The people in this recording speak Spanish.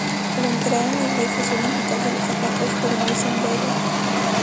Al entrar en la iglesia suelen quitarse los zapatos, pero no el sombrero.